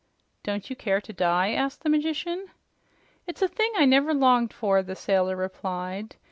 "Don't you care to die?" asked the magician. "It's a thing I never longed for," the sailor replied.